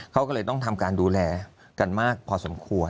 เขาก็เลยต้องทำการดูแลกันมากพอสมควร